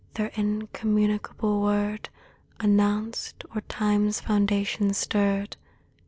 Their incommunicable word Announced o'er Time's foundations, stirred.